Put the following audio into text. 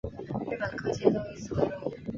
日本各界都以此为荣。